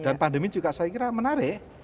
dan pandemi juga saya kira menarik